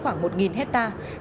khoảng một hectare